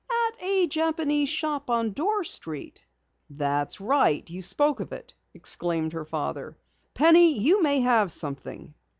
"At a Japanese Shop on Dorr Street." "That's right, you spoke of it!" exclaimed her father. "Penny, you may have something!"